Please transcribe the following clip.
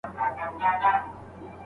افراط تر منځلارۍ څخه ډیر زیانمن دی.